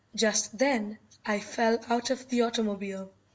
Just then I fell out of the automobile.